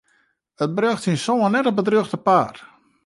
It brocht syn soan net op it rjochte paad.